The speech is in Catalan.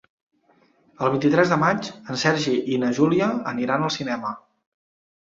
El vint-i-tres de maig en Sergi i na Júlia aniran al cinema.